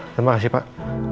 terima kasih pak